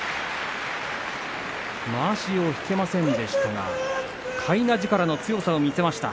まわしを引けませんでしたがかいな力の強さを見せました。